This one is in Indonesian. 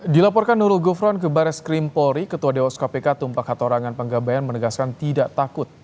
dilaporkan nurul gufron ke baris krim polri ketua dewas kpk tumpak hatorangan panggabayan menegaskan tidak takut